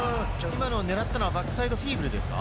今ねらったのはバックサイドフィーブルですか？